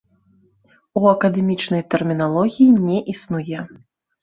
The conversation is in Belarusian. У акадэмічнай тэрміналогіі не існуе.